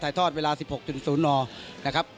ถ่ายทอดเวลา๑๖๐๐นนะครับ